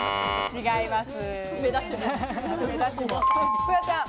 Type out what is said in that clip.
違います。